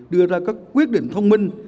đưa ra các quyết định thông minh